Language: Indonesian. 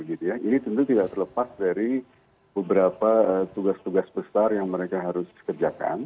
ini tentu tidak terlepas dari beberapa tugas tugas besar yang mereka harus kerjakan